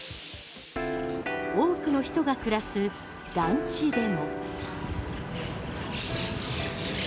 多くの人が暮らす団地でも。